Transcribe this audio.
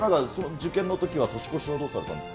受験のときは年越しはどうされたんですか？